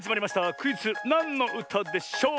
クイズ「なんのうたでしょう」！